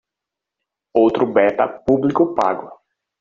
Outro beta público pago